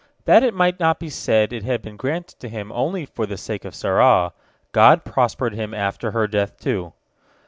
That it might not be said it had been granted to him only for the sake of Sarah, God prospered him after her death, too.